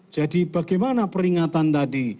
jadi bagaimana peringatan tadi